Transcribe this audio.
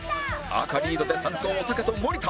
赤リードで３走おたけと森田